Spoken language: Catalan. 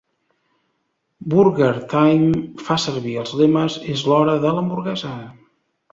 Burger Time fa servir els lemes "És l'hora de l'hamburguesa!"